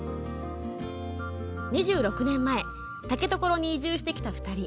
２６年前竹所に移住してきた２人。